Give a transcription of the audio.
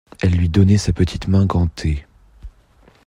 Elle lui donnait sa petite main gantée.